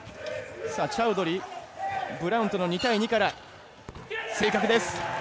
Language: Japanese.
チャウドリーブラウンとの２対２から正確です！